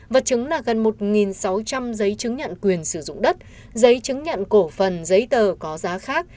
vật chứng là gần một sáu trăm linh giấy chứng nhận quyền sử dụng đất giấy chứng nhận cổ phần giấy tờ có giá khác